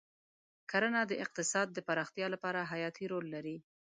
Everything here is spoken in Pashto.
کرنه د اقتصاد د پراختیا لپاره حیاتي رول لري.